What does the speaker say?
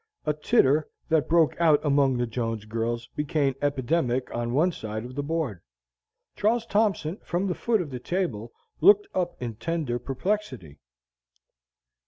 A titter, that broke out among the Jones girls, became epidemic on one side of the board. Charles Thompson, from the foot of the table, looked up in tender perplexity.